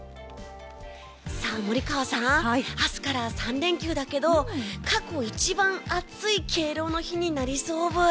森川さん明日から３連休だけど過去一番暑い敬老の日になりそうブイ。